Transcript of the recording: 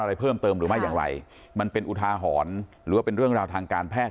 อะไรเพิ่มเติมหรือไม่อย่างไรมันเป็นอุทาหรณ์หรือว่าเป็นเรื่องราวทางการแพท